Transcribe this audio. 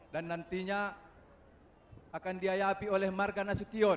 dan nantinya akan diayapi oleh marga nasution